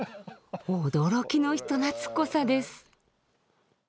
驚きの人なつっこさです。